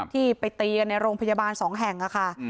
ที่ไปตีกันในโรงพยาบาลสองแห่ง